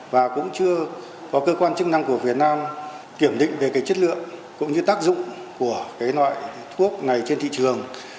và cũng chưa có cơ quan chức năng của việt nam kiểm định về cái chất lượng cũng như tác dụng của cái loại thuốc này trên thị trường